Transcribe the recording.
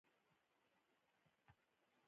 بله ګناه کړې نه وي.